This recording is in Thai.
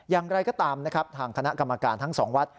อย่างไรก็ตามนะครับทางคณะกรรมการทั้งสองวัด